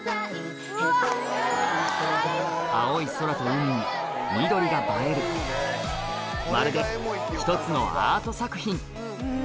青い空と海に緑が映えるまるで１つのアート作品